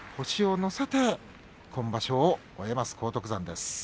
星を乗せて今場所を終えます荒篤山です。